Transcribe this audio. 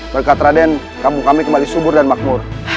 berkat raden kampung kami kembali subur dan makmur